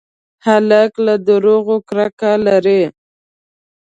هلک له دروغو کرکه لري.